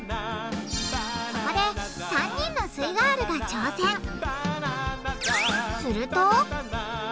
そこで３人のすイガールが挑戦す